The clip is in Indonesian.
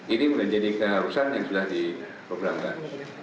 ini menjadi keharusan yang sudah diprogramkan